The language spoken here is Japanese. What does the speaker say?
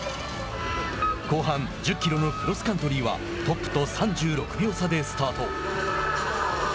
後半１０キロのクロスカントリーはトップと３６秒差でスタート。